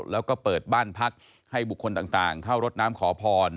แล้วก็เปิดบ้านพักให้บุคคลต่างเข้ารดน้ำขอพร